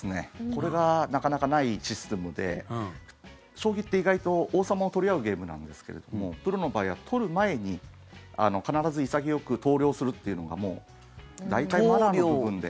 これがなかなかないシステムで将棋って意外と王様を取り合うゲームなんですがプロの場合は取る前に必ず潔く投了するというのがもう大体マナーの部分で。